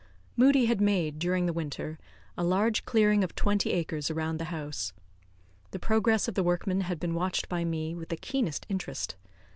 Moodie had made during the winter a large clearing of twenty acres around the house. The progress of the workmen had been watched by me with the keenest interest.